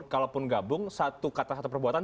kalaupun gabung satu kata satu perbuatan